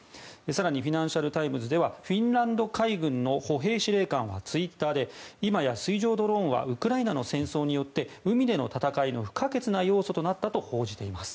更にフィナンシャル・タイムズではフィンランド海軍の歩兵司令官はツイッターで今や水上ドローンはウクライナの戦争によって海での戦いの不可欠な要素となったと報じています。